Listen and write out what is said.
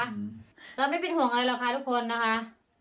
เราไม่เป็นห่วงอะไรหรอกค่ะทุกคนนะคะ